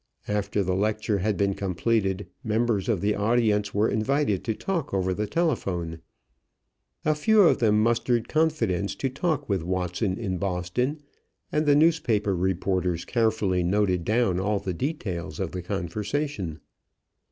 After the lecture had been completed members of the audience were invited to talk over the telephone. A few of them mustered confidence to talk with Watson in Boston, and the newspaper reporters carefully noted down all the details of the conversation.